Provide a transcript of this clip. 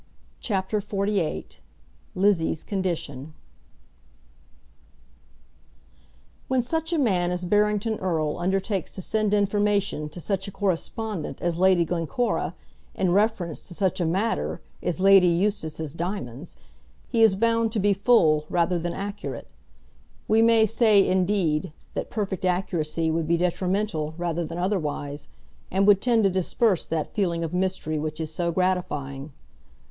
CHAPTER XLVIII Lizzie's Condition When such a man as Barrington Erle undertakes to send information to such a correspondent as Lady Glencora in reference to such a matter as Lady Eustace's diamonds, he is bound to be full rather than accurate. We may say, indeed, that perfect accuracy would be detrimental rather than otherwise, and would tend to disperse that feeling of mystery which is so gratifying.